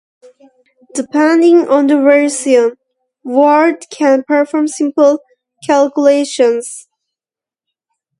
Depending on the version, Word can perform simple calculations.